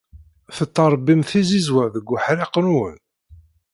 Tettṛebbim tizizwa deg uḥṛiq-nwen?